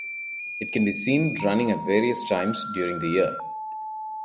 It can be seen running at various time during the year.